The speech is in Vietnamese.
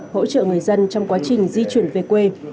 hỗ trợ người dân trong quá trình di chuyển về quê